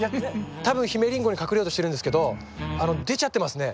多分ヒメリンゴに隠れようとしてるんですけど出ちゃってますね。